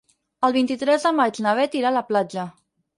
El vint-i-tres de maig na Bet irà a la platja.